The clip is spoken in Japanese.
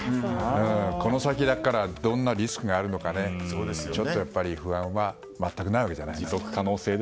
この先、どんなリスクがあるのかちょっと不安は全くないわけじゃないですね。